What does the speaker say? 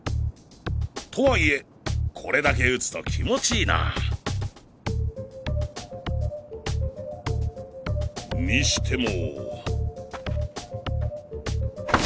とはいえこれだけ打つと気持ちいいな。にしても。